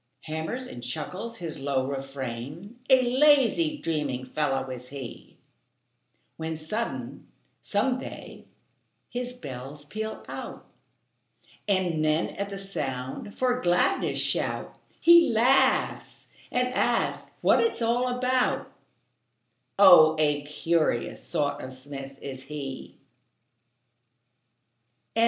Hammers and chuckles his low refrain, A lazy, dreaming fellow is he: When sudden, some day, his bells peal out, And men, at the sound, for gladness shout; He laughs and asks what it's all about; Oh, a curious sort of smith is he.